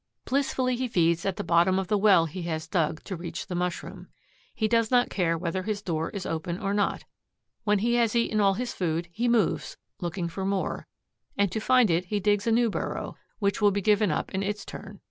Blissfully he feeds at the bottom of the well he has dug to reach the mushroom. He does not care whether his door is open or not. When he has eaten all his food, he moves, looking for more, and to find it he digs a new burrow, which will be given up in its turn.